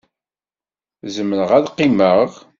Zemreɣ ad qqimeɣ?